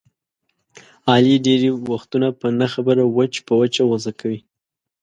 علي ډېری وختونه په نه خبره وچ په وچه غوسه کوي.